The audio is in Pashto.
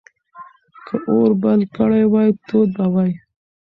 که اور بل کړی وای، تود به وای.